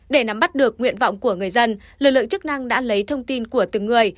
để nắm bắt được nguyện vọng của người dân lực lượng chức năng đã lấy thông tin của từng người